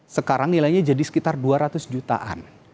sekarang nilainya jadi sekitar dua ratus jutaan